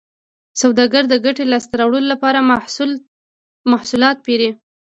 سوداګر د ګټې لاسته راوړلو لپاره محصولات پېري